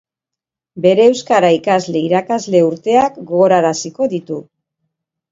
Bere euskara ikasle irakasle urteak gogoraziko ditu.